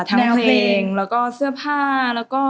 ทั้งเพลงแล้วก็เสื้อผ้าแล้วก็